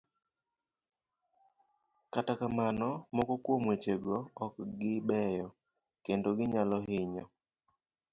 Kata kamano, moko kuom wechego ok gi beyo, kendo ginyalo hinyo